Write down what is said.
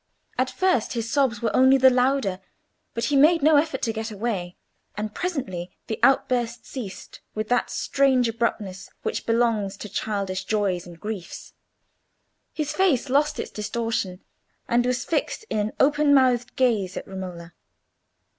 At first his sobs were only the louder, but he made no effort to get away, and presently the outburst ceased with that strange abruptness which belongs to childish joys and griefs: his face lost its distortion, and was fixed in an open mouthed gaze at Romola.